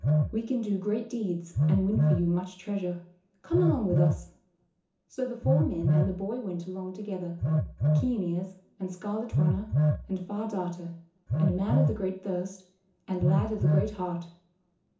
"We can do great deeds and win for you much treasure. Come along with us." So the four men and the boy went along together, Keen Ears, and Scarlet Runner, and Far Darter, and Man of the Great Thirst, and Lad of the Great Heart.